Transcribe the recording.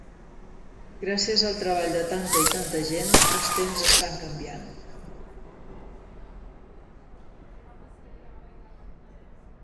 Gràcies al treball de tanta i tanta gent, els temps estan canviant.